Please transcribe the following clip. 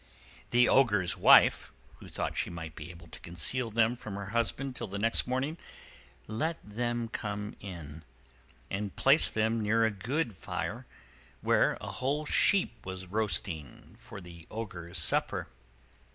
The Ogre's wife, who thought she might be able to conceal them from her husband till the next morning, let them come in, and placed them near a good fire, where a whole sheep was roasting for the Ogre's supper.